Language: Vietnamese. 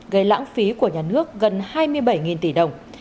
gây lãng phí của nhà nước gần hai mươi bảy tỷ đồng